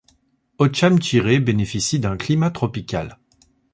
Otchamtchiré bénéficie d'un climat tropical.